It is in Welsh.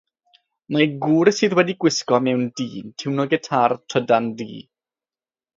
Mae gŵr sydd wedi'i wisgo mewn du'n tiwnio gitâr trydan du.